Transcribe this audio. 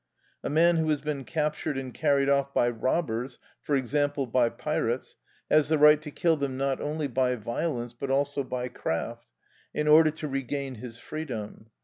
A man who has been captured and carried off by robbers, for example by pirates, has the right to kill them not only by violence but also by craft, in order to regain his freedom.